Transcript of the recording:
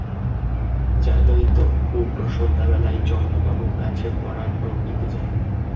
জানই তো, পূর্ণ সন্ধ্যাবেলায় চন্দ্রবাবুর কাছে পড়ার নোট নিতে যায়।